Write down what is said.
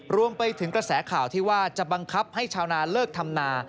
รวมไปถึงกระแสข่าวที่ว่าจะบังคับให้ชาวนาเลิกทำนา